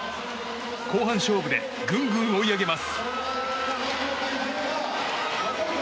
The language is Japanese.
後半勝負でぐんぐん追い上げます。